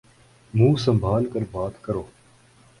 منہ سنمبھال کر بات کرو۔